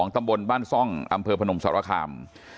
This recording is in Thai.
ตำบลบ้านซ่องอพศวคราม